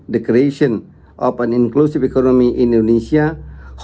dengan tujuan ekonomi inklusif